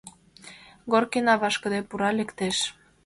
Горкина вашкыде пура, лектеш.